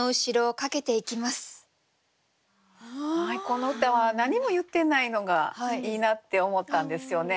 この歌は何も言ってないのがいいなって思ったんですよね。